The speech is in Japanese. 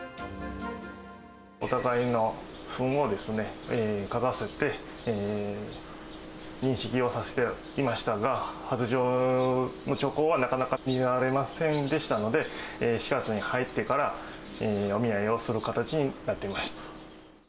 お互いのふんを嗅がせて、認識をさせていましたが、発情の兆候はなかなか見られませんでしたので、４月に入ってから、お見合いをする形になっていました。